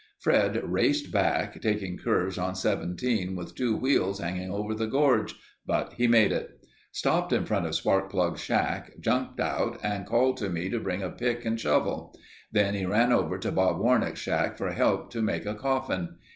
"Fred raced back, taking curves on Seventeen with two wheels hanging over the gorge, but he made it; stopped in front of Sparkplug's shack, jumped out and called to me to bring a pick and shovel. Then he ran over to Bob Warnack's shack for help to make a coffin.